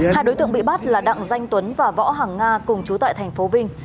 hai đối tượng bị bắt là đặng danh tuấn và võ hằng nga cùng chú tại tp vinh